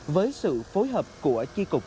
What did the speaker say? với sự phối hợp của chi cục